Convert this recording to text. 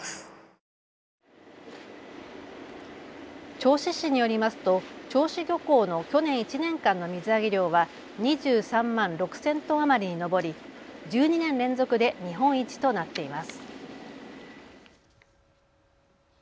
銚子市によりますと銚子漁港の去年１年間の水揚げ量は２３万６０００トン余りに上り１２年連続で日本一となっています。